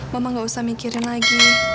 mama gak usah mikirin lagi